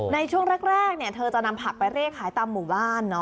ในช่วงแรกเธอจะนำผักไปเร่ขายตามหมู่บ้าน